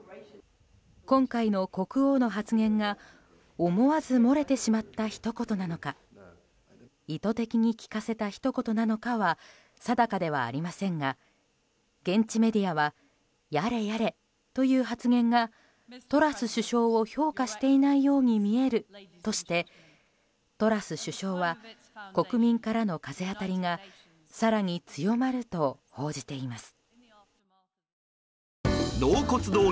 今回の国王の発言が思わず漏れてしまったひと言なのか意図的に聞かせたひと言なのかは定かではありませんが現地メディアはやれやれという発言がトラス首相を評価していないように見えるとしてトラス首相は国民からの風当たりが更に強まると報じています。